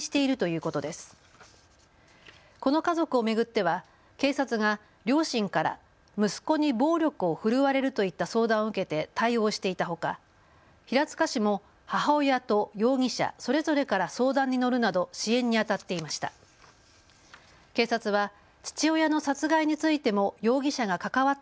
この家族を巡っては警察が両親から息子に暴力を振るわれるといった相談を受けて対応していたほか平塚市も母親と容疑者、それぞれから相談に乗るなど支援にあたっていました。